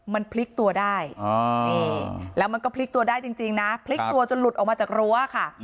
มันพลิกตัวได้แล้วมันก็พลิกตัวได้จริงนะพลิกตัวจนหลุดออกมาจากรั้วค่ะ